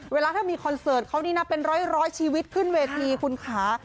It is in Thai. เวลาถ้ามีคอนเสิร์ตเขานี่นะเป็นร้อยชีวิตขึ้นเวทีคุณค่ะ